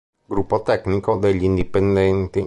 Gruppo Tecnico degli Indipendenti